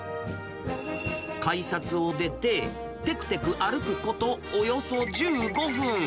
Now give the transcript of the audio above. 改札を出て、てくてく歩くことおよそ１５分。